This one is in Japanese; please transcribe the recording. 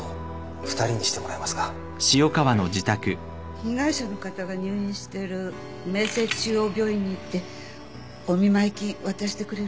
被害者の方が入院してる明星中央病院に行ってお見舞い金渡してくれる？